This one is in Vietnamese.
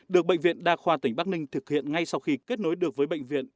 được bệnh viện đa khoa tỉnh bắc ninh thực hiện ngay sau khi kết nối được với bệnh viện